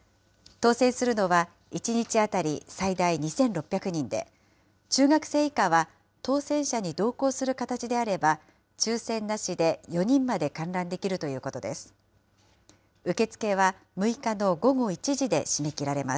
当せんするのは１日当たり最大２６００人で、中学生以下は、当せん者に同行する形であれば、抽せんなしで４人まで観覧できるということです。